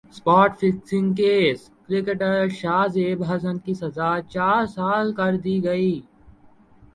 spot fixing case cricketer Shahzeb Hasan کی سزا چار سال کر دی گئی